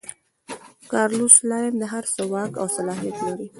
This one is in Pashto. کارلوس سلایم د هر څه واک او صلاحیت لري.